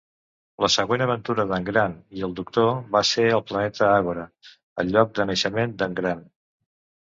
La següent aventura d'en Grant i el doctor va ser al planeta Agora, el lloc de naixement d'en Grant.